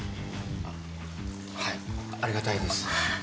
はいありがたいです。